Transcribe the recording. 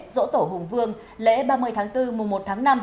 dỗ tổ hùng vương lễ ba mươi tháng bốn mùa một tháng năm